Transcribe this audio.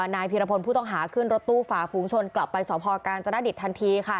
นายพีรพลผู้ต้องหาขึ้นรถตู้ฝาฝูงชนกลับไปสพการจนดิตทันทีค่ะ